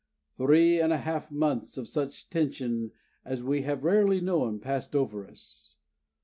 Three and a half months of such tension as we have rarely known passed over us.